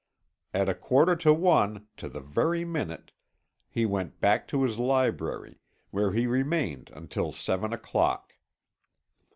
At a quarter to one, to the very minute, he went back to his library, where he remained until seven o'clock.